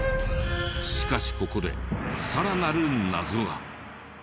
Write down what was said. しかしここでさらなる謎が。